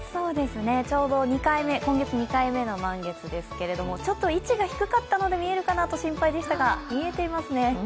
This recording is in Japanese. ちょうど今月２回目の満月ですけれども、ちょっと位置が低かったので見えるかなと心配でしたが、見えてますね。